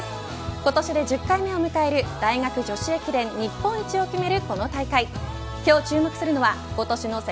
今年で１０回目を迎える大学女子駅伝日本一を決める